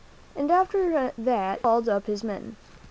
After that he called up his men.